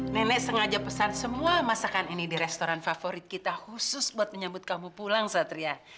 nenek sengaja pesan semua masakan ini di restoran favorit kita khusus buat menyambut kamu pulang satria